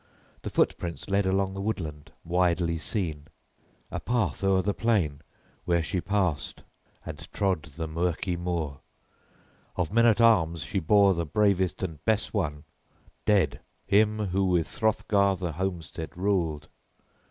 The footprints led along the woodland, widely seen, a path o'er the plain, where she passed, and trod the murky moor; of men at arms she bore the bravest and best one, dead, him who with Hrothgar the homestead ruled.